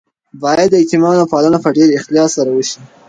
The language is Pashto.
باید د یتیمانو پالنه په ډیر اخلاص سره وشي.